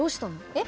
えっ？